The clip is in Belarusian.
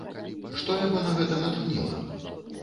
Што яго на гэта натхніла?